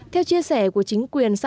theo chia sẻ của chính quyền xã bản lầu